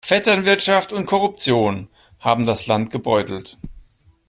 Vetternwirtschaft und Korruption haben das Land gebeutelt.